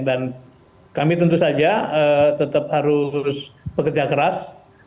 dan kami tentu saja tetap harus bekerja keras